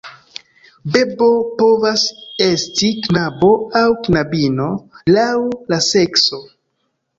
Bebo povas esti knabo aŭ knabino, laŭ la sekso.